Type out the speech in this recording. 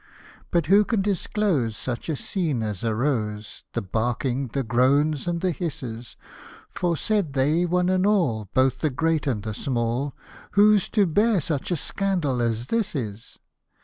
But, who can disclose such a scene as arose, The barking, the groans, and the hisses ! For, said they one and all, both the great and the small, " Who 'i to bear such a scandal as this is?